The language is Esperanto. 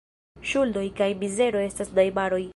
Ŝuldoj kaj mizero estas najbaroj.